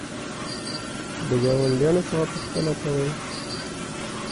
د ګاونډیانو څخه پوښتنه کوئ؟